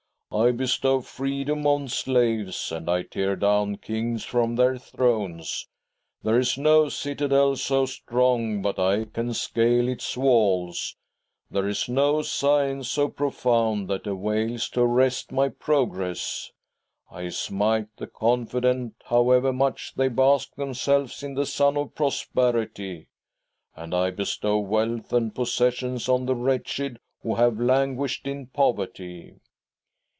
I bestow freedom on slaves, and I tear down kings from their thrones. There is no citadel so strong but I can scale its walls ; there is no science so profound that avails to arrest my progress. I smite the confident, however much they bask themselves in the sun of prosperity, and I bestow wealth and possessions on the wretched who have languished in poverty."